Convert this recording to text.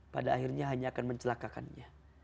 pada akhirnya hanya akan mencelakakannya